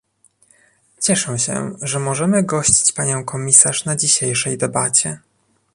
Cieszę się, że możemy gościć panią komisarz na dzisiejszej debacie